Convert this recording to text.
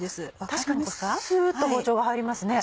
確かにすっと包丁が入りますね。